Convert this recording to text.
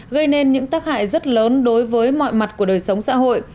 gây nên những tác hại rất lớn đối với mọi mặt của đời sống xã hội